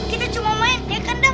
kita cuma main ya kandang